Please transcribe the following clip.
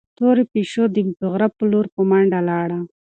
تورې پيشو د غره په لور په منډه لاړه.